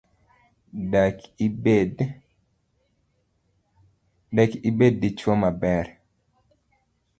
Dak ibed dichuo maber?